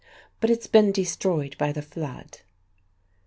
"But it's been destroyed by the flood."